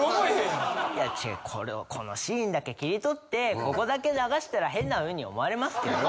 いや違うこのシーンだけ切り取ってここだけ流したら変な風に思われますけど。